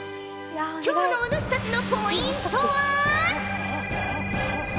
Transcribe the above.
今日のお主たちのポイントは。